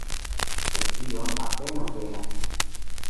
Sed tio apenaŭ veras.